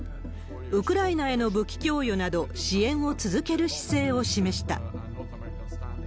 ウクライナへの武器供与など、支援を続ける姿勢を示した。